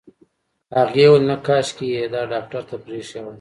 هغې وويل نه کاشکې يې ډاکټر ته پرېښې وای.